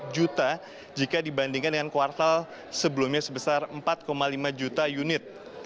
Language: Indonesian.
satu empat juta jika dibandingkan dengan kuartal sebelumnya sebesar empat lima juta unit